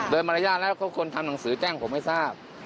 โดยมารยาทแล้วเขาควรทำหนังสือแจ้งผมให้ทราบ